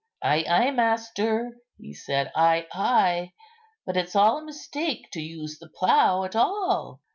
"Ay, ay, master," he said, "ay, ay; but it's all a mistake to use the plough at all.